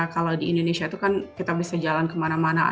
kalau di indonesia itu kan kita bisa jalan kemana mana